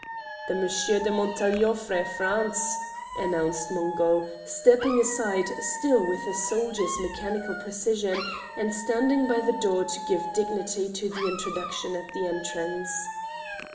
"The Monsher de Montaiglon frae France," announced Mungo, stepping aside still with the soldier's mechanical precision, and standing by the door to give dignity to the introduction and the entrance.